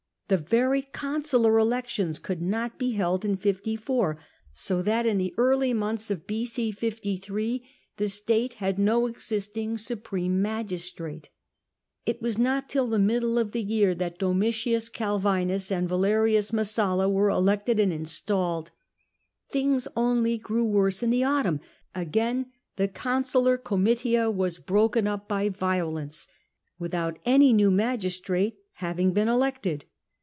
The very con sular elections could not be held in 54; so that in the early months of B.C. 53 the state had no existing supreme magistrate ! It was not till the middle of the year that Domitius Calvinus and Valerius Messalla were elected and installed. Things only grew worse in the autumn : again the consular Comitia were broken up by violence, without any new magistrate having been elected.